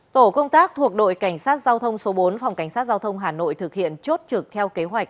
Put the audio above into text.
tổ công tác thuộc đội cảnh sát giao thông số bốn phòng cảnh sát giao thông hà nội thực hiện chốt trực theo kế hoạch